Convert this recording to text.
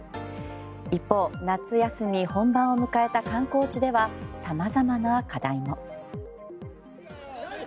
一方、夏休み本番を迎えた観光地では、さまざまな課題も。